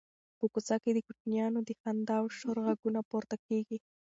په کوڅه کې د کوچنیانو د خندا او شور غږونه پورته کېږي.